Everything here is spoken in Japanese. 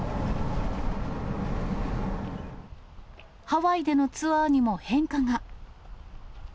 ハワイでのツアーにも変化が。